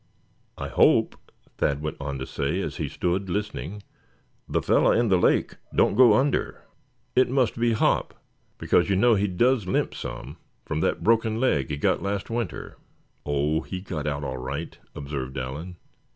"I hope," Thad went on to say as he stood listening; "the fellow in the lake don't go under; it must be Hop; because you know he does limp some, from that broken leg he got last winter." "Oh! he got out all right," observed Allan.